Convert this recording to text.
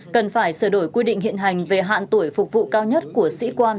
cần phải sửa đổi quy định hiện hành về hạn tuổi phục vụ cao nhất của sĩ quan